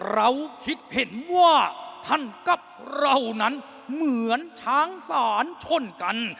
เราคิดเห็นว่าท่านกับเรานั้นเหมือนช้างศาลชนกัน